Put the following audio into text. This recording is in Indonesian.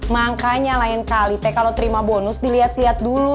makanya lain kali kalau terima bonus dilihat lihat dulu